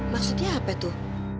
maksudnya apa tuh